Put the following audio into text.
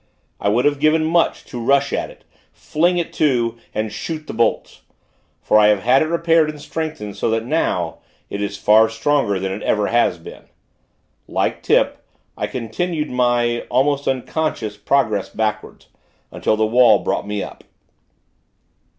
I would have given much, to rush at it, fling it to, and shoot the bolts; for I have had it repaired and strengthened, so that, now, it is far stronger than ever it has been. Like Tip, I continued my, almost unconscious, progress backward, until the wall brought me up.